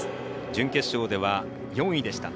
準決勝では４位でした。